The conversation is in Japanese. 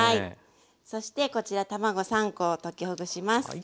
そしてこちら卵３コを溶きほぐします。